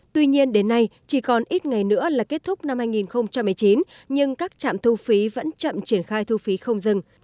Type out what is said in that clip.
tuy nhiên đến nay chỉ còn ít ngày nữa là kết thúc năm hai nghìn một mươi chín nhưng các trạm thu phí vẫn chậm triển khai thu phí không dừng